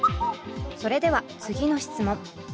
それでは次の質問。